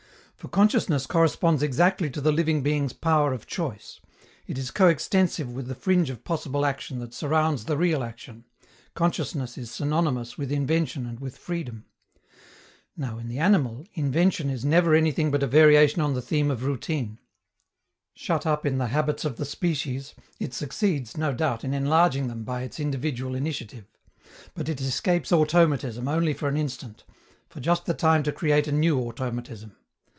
For consciousness corresponds exactly to the living being's power of choice; it is coextensive with the fringe of possible action that surrounds the real action: consciousness is synonymous with invention and with freedom. Now, in the animal, invention is never anything but a variation on the theme of routine. Shut up in the habits of the species, it succeeds, no doubt, in enlarging them by its individual initiative; but it escapes automatism only for an instant, for just the time to create a new automatism.